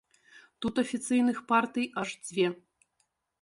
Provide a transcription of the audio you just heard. Тут афіцыйных партый аж дзве.